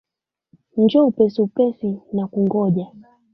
Njoo upesi upesi nakungoja.